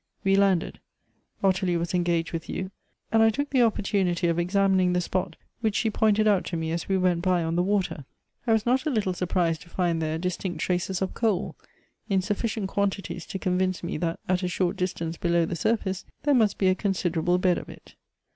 We landed. Ottilie was engaged with you, and I took the opportunity of examining the spot, which she pointed out to me as we went by on the water. I was not a little surprised to find there distinct traces of coal, in sufficient quantities to convince me that at a short distance below the surface there must be a con siderable bed of it.